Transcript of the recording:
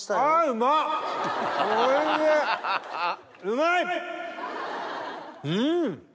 うまい！